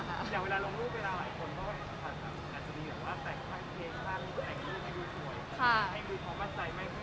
แต่เวลาลงรูปเวลาหลายคนก็ก็คิดว่า